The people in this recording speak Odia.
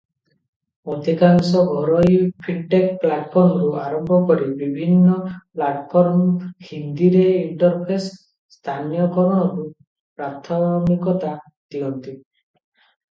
ଅଧିକାଂଶ ଘରୋଇ ଫିନଟେକ ପ୍ଲାଟଫର୍ମରୁ ଆରମ୍ଭ କରି ବିଭିନ୍ନ ପ୍ଲାଟଫର୍ମ ହିନ୍ଦୀରେ ଇଣ୍ଟରଫେସ ସ୍ଥାନୀୟକରଣକୁ ପ୍ରାଥମିକତା ଦିଅନ୍ତି ।